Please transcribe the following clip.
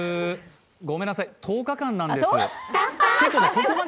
ごめんなさい、１０日間なんです。